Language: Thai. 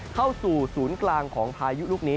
เข้าสู่ศูนย์กลางของพายุลูกนี้